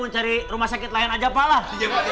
cari rumah sakit lain aja palah